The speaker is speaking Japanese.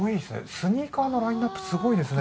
スニーカーのラインナップすごいですね